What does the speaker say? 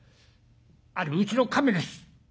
あれうちの亀です。